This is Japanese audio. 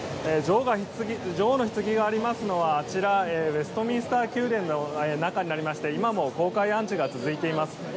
女王のひつぎがありますのはあちらあちらウェストミンスター宮殿の中になりまして今も公開安置が続いています。